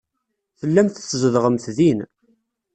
Tellamt tzedɣemt din.